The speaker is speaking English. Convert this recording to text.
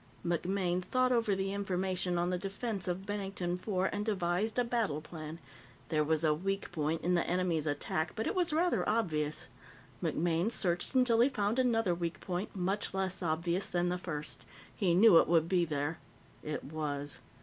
MacMaine thought over the information on the defense of Bennington IV and devised a battle plan. There was a weak point in the enemy's attack, but it was rather obvious. MacMaine searched until he found another weak point, much less obvious than the first. He knew it would be there. It was.